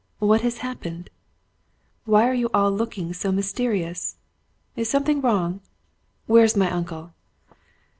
What has happened? Why are you all looking so mysterious? Is something wrong? Where is my uncle?"